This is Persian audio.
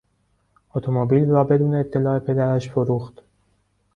اتومبیل را بدون اطلاع پدرش فروخت.